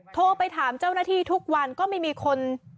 โทรไปถามเจ้าหน้าที่ทุกวันก็ไม่มีคน